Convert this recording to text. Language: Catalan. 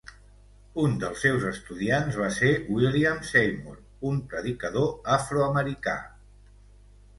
Un dels seus estudiants va ser William Seymour, un predicador afroamericà.